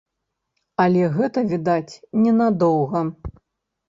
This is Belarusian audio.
Але гэта, відаць, ненадоўга.